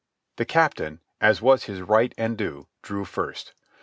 The captain, as was his right and due, drew first.